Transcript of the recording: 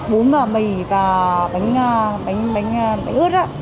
bún và mì và bánh ướt